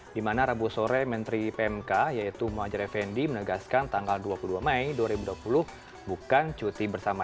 di mana rabu sore menteri pmk yaitu muhajir effendi menegaskan tanggal dua puluh dua mei dua ribu dua puluh bukan cuti bersama